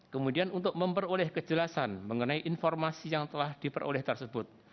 kemudian untuk memperoleh kejelasan mengenai informasi yang telah diperoleh tersebut